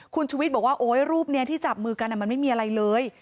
คุณชุวิตบอกว่าโอ๊ยรูปนี้ที่จับมือกันมันไม่มีอะไรเลย